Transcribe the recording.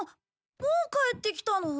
もう帰ってきたの？